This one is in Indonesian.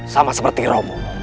sama seperti romo